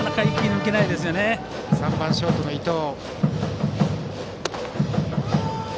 続いて３番ショートの伊藤。